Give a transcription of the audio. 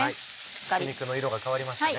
ひき肉の色が変わりましたね。